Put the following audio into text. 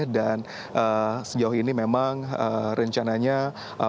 dan sejauh ini memang rencananya proses